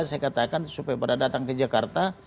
saya katakan supaya pada datang ke jakarta